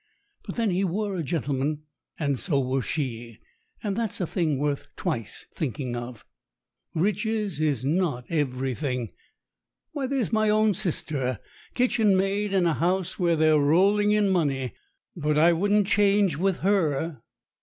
But then he were a gentleman, and so were she, and that's a thing worth twice thinking of. Riches is not everything. Why, there's my own sister, kitchen maid in a house where they're rolling in money, but I wouldn't change with her.